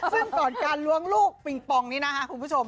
ซึ่งก่อนการล้วงลูกปิงปองนี้นะคะคุณผู้ชม